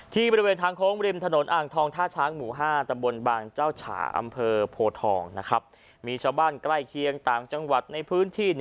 บริเวณทางโค้งริมถนนอ่างทองท่าช้างหมู่๕ตำบลบางเจ้าฉาอำเภอโพทองมีชาวบ้านใกล้เคียงต่างจังหวัดในพื้นที่